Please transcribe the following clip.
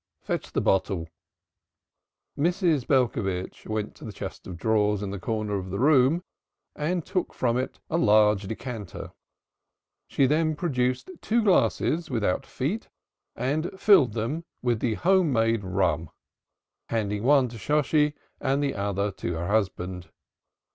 Fetch the bottle!" Mrs. Belcovitch went to the chest of drawers in the corner of the room and took from the top of it a large decanter. She then produced two glasses without feet and filled them with the home made rum, handing one to Shosshi and the other to her husband.